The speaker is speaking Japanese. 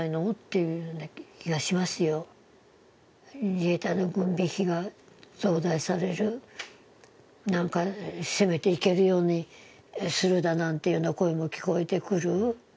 自衛隊の軍備費が増大される、攻めて行けるようにするだなんて声も聞こえてくる。